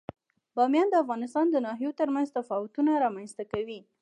بامیان د افغانستان د ناحیو ترمنځ تفاوتونه رامنځ ته کوي.